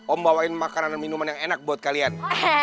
om bawain makanan dan minuman yang enak buat kalian